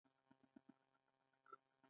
ښوونکی د زده کوونکي راتلونکی جوړوي.